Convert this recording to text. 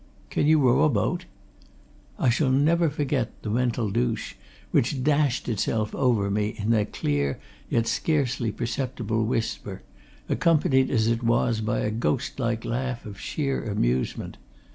"Can you row a boat?" I shall never forget the mental douche which dashed itself over me in that clear, yet scarcely perceptible whisper, accompanied as it was by a ghost like laugh of sheer amusement.